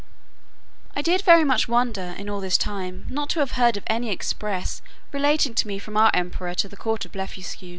I did very much wonder, in all this time, not to have heard of any express relating to me from our emperor to the court of Blefuscu.